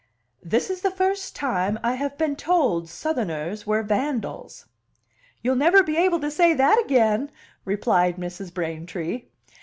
"This is the first time I have been told Southerners were vandals." "You will never be able to say that again!" replied Mrs. Braintree.